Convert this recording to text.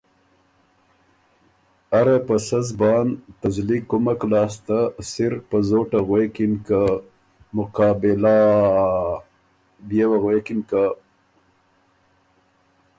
اره په سۀ زبان ته زلی قُمک لاسته سِر په زوټه غوېکِن که ”مُــقـــابـــېـــلا ا ا ا ا“ بيې وه غوېکِن که :ـ